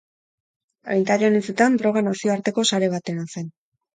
Agintarien hitzetan, droga nazioarteko sare batena zen.